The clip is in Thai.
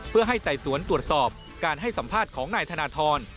เพื่อให้ไต่สวนตรวจสอบการให้สัมภาษณ์ของนายธนทร